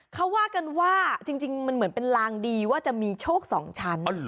เขาว่ากันว่าจริงมันเหมือนเป็นลางดีว่าจะมีโชค๒ชั้น